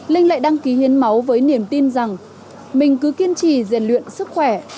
linh lại đăng ký hiến máu với niềm tin rằng mình cứ kiên trì rèn luyện sức khỏe